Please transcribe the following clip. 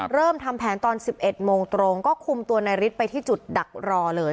เริ่มทำแผนตอน๑๑โมงตรงก็คุมตัวนายฤทธิ์ไปที่จุดดักรอเลย